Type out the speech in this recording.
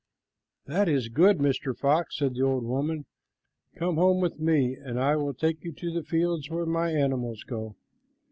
"That is good, Mr. Fox," said the old woman. "Come home with me, and I will take you to the fields where my animals go."